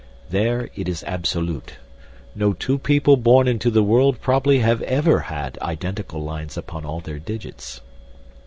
There it is absolute. No two people born into the world probably have ever had identical lines upon all their digits.